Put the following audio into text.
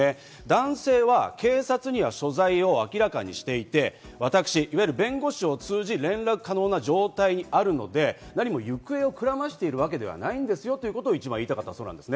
男性は警察には所在を明らかにしていて私、弁護士を通じ連絡可能な状態にあるので行方をくらましているわけではないんですよということを一番言いたかったそうです。